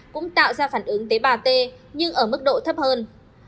cũng tạo ra phản ứng tế bà t nhưng ở mức độ thấp hơn